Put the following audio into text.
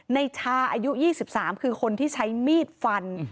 ในชาอายุ๒๓คือคนที่ใช้มีดฟัน